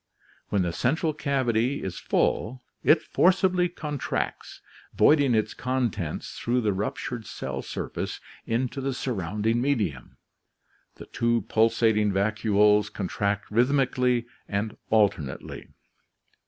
When the central cavity is full, it forcibly contracts, voiding its contents through the ruptured cell surface into the surrounding medium. The two pulsating vacuoles contract rhythmically and alternately.